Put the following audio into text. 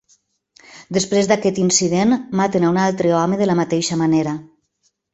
Després d'aquest incident maten a un altre home de la mateixa manera.